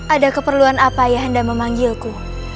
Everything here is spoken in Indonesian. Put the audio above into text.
ada keperluan apa ayah anda memanggilku